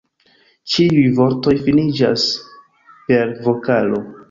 Ĉiuj vortoj finiĝas per vokalo.